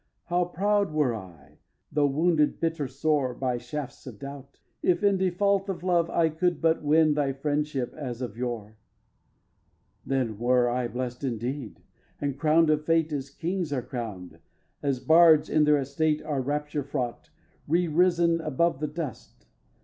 How proud were I, though wounded bitter sore By shafts of doubt, if, in default of love I could but win thy friendship as of yore. xx. Then were I blest indeed, and crown'd of fate As kings are crowned, as bards in their estate Are rapture fraught, re risen above the dust.